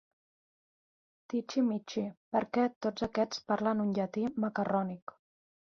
“tichi, michi”, perquè tots aquests parlen un llatí macarrònic.